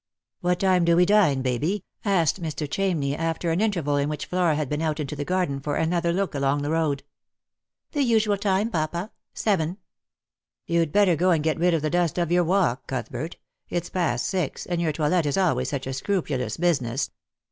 " What time do we dine, Baby ?" asked Mr. Chamney, after an interval in which Flora had been out into the garden for another look along the road. " The usual time, papa — seven." " You'd better go and get rid of the dust of your walk, Cuthbert. It's past six — and your toilet is always such a scrupulous business."